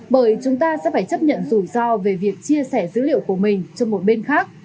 bởi chúng ta sẽ phải chấp nhận rủi ro về việc chia sẻ dữ liệu của mình cho một bên khác